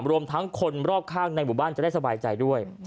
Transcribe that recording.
รวมทั้งคนรอบข้างในหมู่บ้านจะได้สบายใจด้วย